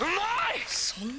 そんなに！？